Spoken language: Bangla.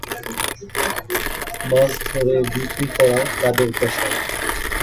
মাছ ধরে বিক্রি করা তাদের পেশা।